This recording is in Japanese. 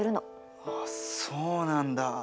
うわそうなんだ。